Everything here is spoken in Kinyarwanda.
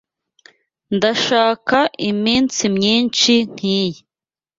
Ndashaka iminsi myinshi nkiyi.